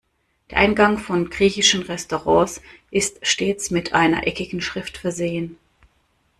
Der Eingang von griechischen Restaurants ist stets mit einer eckigen Schrift versehen.